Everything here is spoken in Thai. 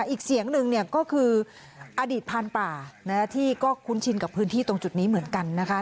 อีกเสียงหนึ่งก็คืออดีตพันธุ์ป่าที่ก็คุ้นชินกับพื้นที่ตรงจุดนี้เหมือนกันนะคะ